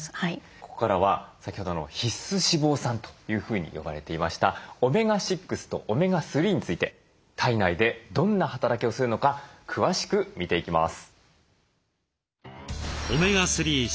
ここからは先ほど必須脂肪酸というふうに呼ばれていましたオメガ６とオメガ３について体内でどんな働きをするのか詳しく見ていきます。